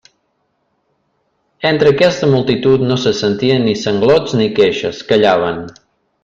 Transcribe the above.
Entre aquesta multitud no se sentien ni sanglots ni queixes; callaven.